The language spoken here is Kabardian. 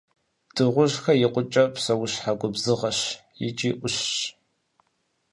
Дыгъужьхэр икъукӏэ псэущхьэ губзыгъэщ икӏи ӏущщ.